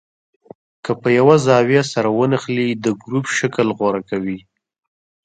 که په یوه زاویه سره ونښلي د ګروپ شکل غوره کوي.